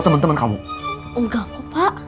temen temen kamu enggak kok pak